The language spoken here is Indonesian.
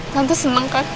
tante seneng kan